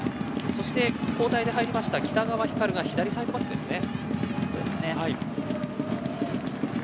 そして、交代で入った北川ひかるが左サイドバックですね。